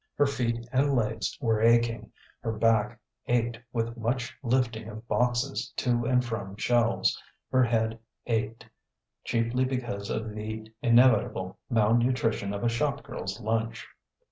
Her feet and legs were aching, her back ached with much lifting of boxes to and from shelves, her head ached chiefly because of the inevitable malnutrition of a shop girl's lunch.